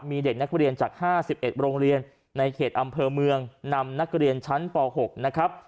มีเด็กนักเรียนจาก๕๑โรงเรียนในเขตอำเภอเมืองนำนักเรียนชั้นป๖นะครับ